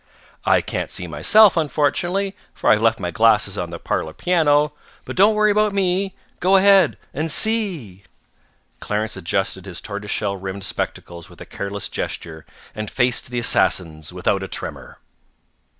I can't see myself, unfortunately, for I have left my glasses on the parlor piano, but don't worry about me: go ahead and see!" ... "Clarence adjusted his tortoiseshell rimmed spectacles with a careless gesture, and faced the assassins without a tremor."